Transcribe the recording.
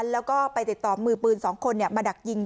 แล้วก็ไปติดต่อมือปืน๒คนมาดักยิง